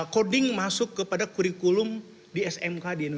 coding masuk kepada kurikulum di smkd